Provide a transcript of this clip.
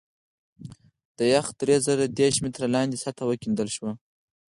د یخ درې زره دېرش متره لاندې سطحه وکیندل شوه